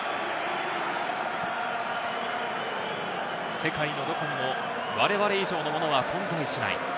世界のどこにもわれわれ以上のものは存在しない。